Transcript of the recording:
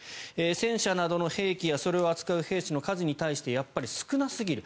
戦車などの兵器やそれを扱う兵士の数に対してやっぱり少なすぎる。